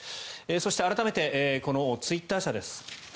そして改めてツイッター社です。